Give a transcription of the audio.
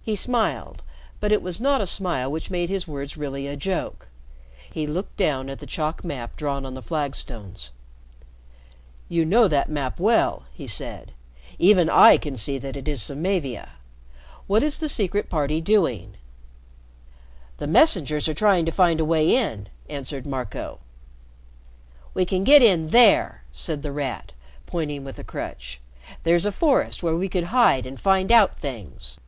He smiled, but it was not a smile which made his words really a joke. He looked down at the chalk map drawn on the flagstones. "You know that map well," he said. "Even I can see that it is Samavia. What is the Secret Party doing?" "The messengers are trying to find a way in," answered Marco. "We can get in there," said The Rat, pointing with a crutch. "There's a forest where we could hide and find out things."